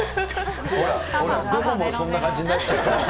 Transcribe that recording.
どこもそんな感じになっちゃう。